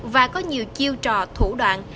và có nhiều chiêu trò thủ đoạn